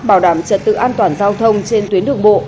bảo đảm trật tự an toàn giao thông trên tuyến đường bộ